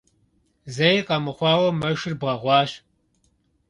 Зэи къэмыхъуауэ, мэшыр бэгъуащ.